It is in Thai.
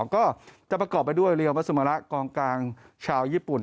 ก็จะประกอบไปด้วยเรียวมัสมะระกองกลางชาวญี่ปุ่น